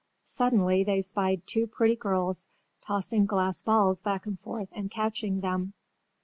Suddenly they spied two pretty girls tossing glass balls back and forth and catching them.